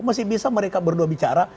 masih bisa mereka berdua bicara